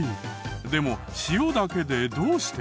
でも塩だけでどうして？